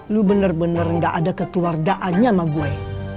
lu bener bener gak ada kekeluargaannya sama gue